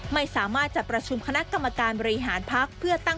ไม่สามารถจัดประชุมคณะกรรมการบริหารพัก